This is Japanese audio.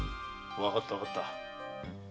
わかったわかった。